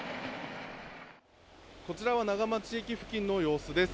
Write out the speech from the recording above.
こちらは長町駅付近の様子です。